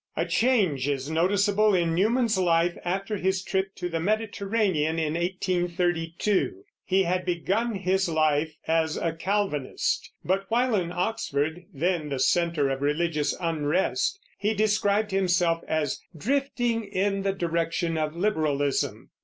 A change is noticeable in Newman's life after his trip to the Mediterranean in 1832. He had begun his life as a Calvinist, but while in Oxford, then the center of religious unrest, he described himself as "drifting in the direction of Liberalism."